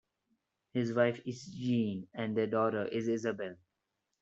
His wife is Jean, and their daughter is Isabel.